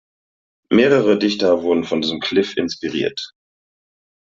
Mehrere Dichter wurden von diesem Kliff inspiriert.